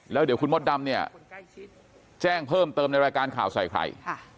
แล้วเดี๋ยวคุณมดดำเนี่ยแจ้งเพิ่มเติมในรายการข่าวใส่ไข่